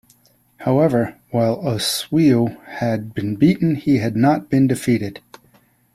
However, while Oswiu had been beaten he had not been defeated.